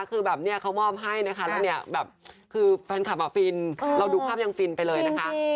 คือแบบนี้เขาอ้อมให้นะคะแล้วแฟนคลับก็ฟินเราดูภาพยังฟินไปเลยนะคะ